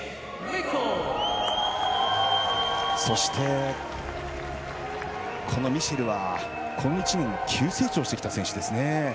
そして、ミシェルは、この１年で急成長してきた選手ですね。